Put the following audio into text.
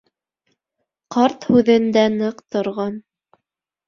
Ҡарт һүҙендә ныҡ торған.